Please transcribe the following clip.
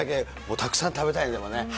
たくさん食べたいね。